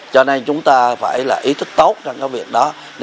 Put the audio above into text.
cho nên chúng ta phải là ý thức tốt trong cái việc đó